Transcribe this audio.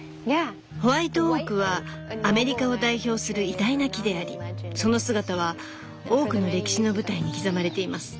ホワイトオークはアメリカを代表する偉大な木でありその姿は多くの歴史の舞台に刻まれています。